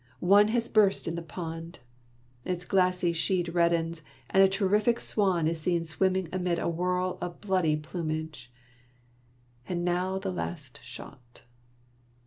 One has burst in the pond. Its glassy sheet reddens, and a terrified swan is seen swimming amid a whirl of bloody plumage. And now the last shot.